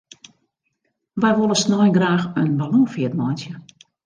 Wy wolle snein graach in ballonfeart meitsje.